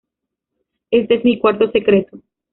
Este es mi cuarto secreto.